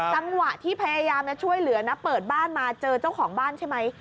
จังหวะที่พยายามจะช่วยเหลือนะเปิดบ้านมาเจอเจ้าของบ้านใช่ไหม